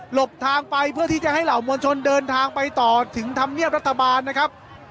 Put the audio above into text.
บทางไปเพื่อที่จะให้เหล่ามวลชนเดินทางไปต่อถึงธรรมเนียบรัฐบาลนะครับ